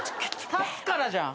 立つからじゃん。